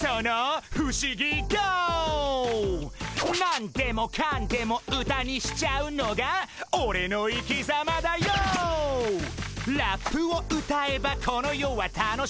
「何でもかんでも歌にしちゃうのがオレの生きざまダＹＯ」「ラップを歌えばこの世は楽し」